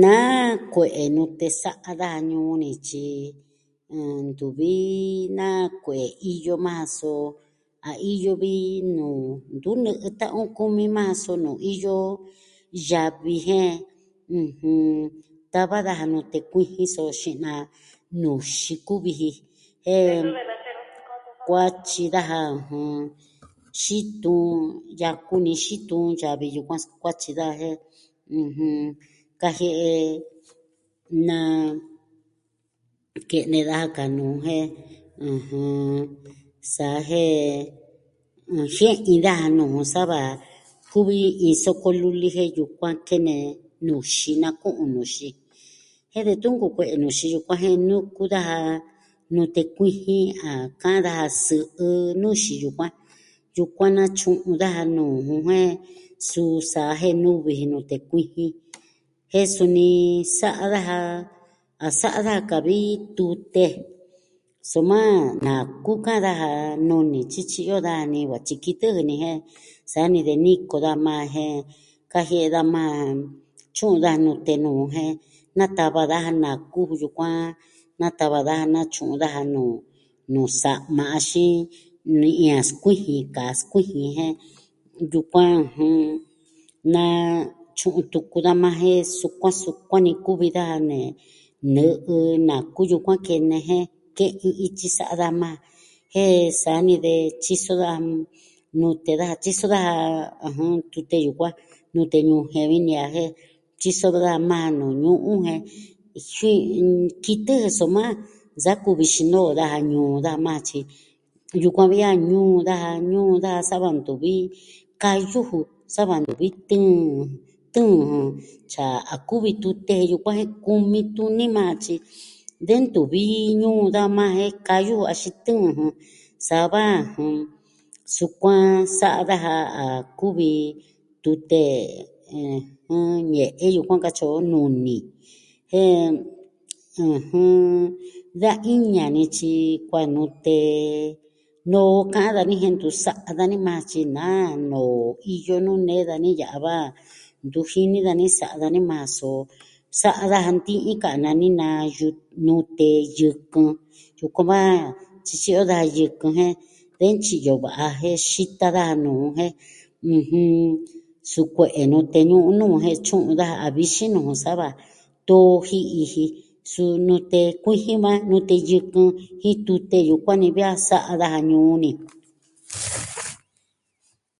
Na... kue'e nute sa'a daja ñuu ni. Tyi, ɨh... ntuvi na kue'e iyo maa ja. So a iyo vi nuu ntu nɨ'ɨ ta'an on kumi maa ja so noo iyo yavi. Jen ɨjɨn... tava daja nute kuijin so xinaa nuu xiku vi ji. Jen, kuatyi daja. ɨjɨn, xitun, yaku ni xitun yavi yukuan su kuatyi daja. Jen, ɨjɨn... kajie'e... na... kene daja ka nuu jen, ɨjɨn... Sa jen... jie'in daja nuu sava kuvi iin soko luli, jen yukuan kene nuu xinaku'un nuxi. Jen detun nkukue'e nuxi yukuan jen nuku daja, nute kuijin a ka'an daja sɨ'ɨn nuxi yukuan. Yukuan natyu'un daja nuu jun, jen suu sa jen nuvi jin nute kuijin. Jen suni, sa'a daja... a sa'a daja ka vi tute. Soma, nakuka daja nuni tyityi'yo dani va tyikitɨ jɨ ni. Jen, sa ni de niko da maa, jen kajiee da maa, tyu'un daja nute nuu, jen natava daja na kuvi yukuan. Natava daja natyu'un daja nuu, nuu sa'ma, axin ni'i a sikuijin ka, skuijin. Jen, yukuan jɨn, natyu'un tuku da maa jen sukuan sukuan ni kuvi daja nee. Nɨ'ɨ naku yukuan kene je. Ke'in ityi sa'a da maa. Jen saa ni de tyiso daja, nute daja tyiso daja, ɨjɨn, tute yukuan. Nute ñujien vi ña. Jen, tyiso da maa nu ñu'un. Jen xi... kitɨ jɨ. Soma sa kuvi xinoo daja ñuu da maa. Tyi yukuan vi a ñuu daja ñuu daja sava ntuvi kayu ju sava ntuvi tɨɨn, tɨɨn jɨn. Tyi a, a kuvi tute yukuan jen kumi tuni maa, tyi de ntuvi ñuu da maa jen kayu axin tɨɨn jɨn. Sava, jɨn, sukuan sa'a daja a kuvi tute, ɨjɨn, ñe'en yukuan katyi o nuni. Jen, ɨjɨn, da iña nityi kua nute. Noo ka dani je ntu sa'a dani maa tyi naa noo. Iyo nuu nee dani ya'a va ntu jini dani sa'a dani. So, sa'a daja nti'in ka nani naa yɨ... nute yɨkɨn. Yukuan va, tyityi'yo da yɨkɨn, jen de ntyi'yo va'a jen xita daja nu'u. Jen, ɨjɨn, su kue'e nute ñu'un nu jen tyu'un daja a vixin nu, sava too ji'i ji. Su nute kuijin maa, nute yɨkɨn jin tute yukuan ni vi a sa'a daja ñuu ni.